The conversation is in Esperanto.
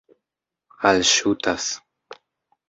alŝutas